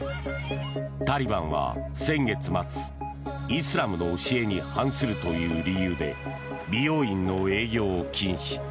タリバンは先月末イスラムの教えに反するという理由で、美容院の営業を禁止。